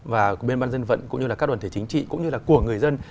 và của bên ban dân vận cũng như là các đoàn thể chính trị cũng như là của người dân